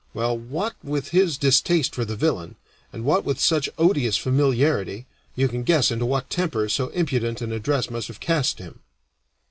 Well, what with his distaste for the villain, and what with such odious familiarity, you can guess into what temper so impudent an address must have cast him.